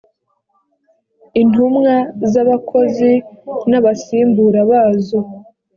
intumwa z abakozi n abasimbura bazo